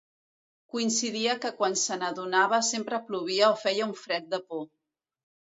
Coincidia que quan se n'adonava sempre plovia o feia un fred de por.